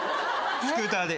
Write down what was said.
スクーターで。